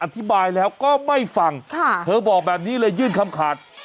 ตอนนี้เลยยื่นคำขาด